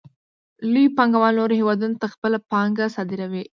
لوی پانګوال نورو هېوادونو ته خپله پانګه صادروي